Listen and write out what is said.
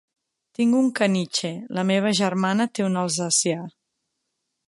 Tinc un caniche, la meva germana té un alsacià.